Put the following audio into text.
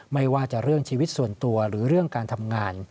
ไม่ว่าจะเรื่องชีวิตส่วนตัวหรือเรื่องการทำงาน